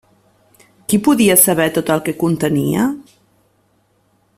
Qui podia saber tot el que contenia?